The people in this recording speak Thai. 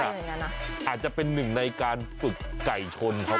อาจจะเป็นหนึ่งในการฝึกไก่ชนเขา